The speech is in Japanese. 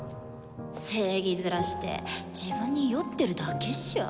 正義ヅラして自分に酔ってるだけっしょ？